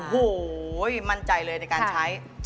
โอ้โหมั่นใจเลยในการใช้